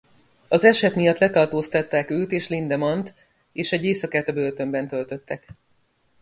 Az eset miatt letartóztatták őt és Lindemann-t és egy éjszakát a börtönben töltöttek.